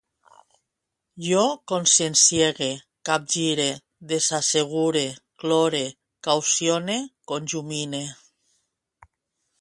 Jo conscienciege, capgire, desassegure, clore, caucione, conjumine